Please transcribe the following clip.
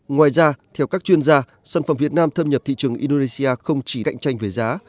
ngoài ra theo các chuyên gia sản phẩm việt nam thâm nhập thị trường indonesia không chỉ cạnh tranh về giá